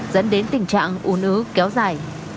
dẫn đến tình trạng u nứ kéo dài